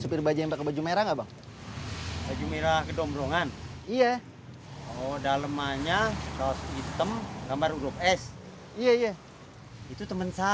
sampai jumpa di video selanjutnya